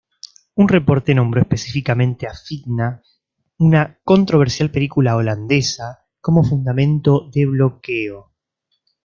Un reporte nombró específicamente a "Fitna", una controversial película holandesa, como fundamento del bloqueo.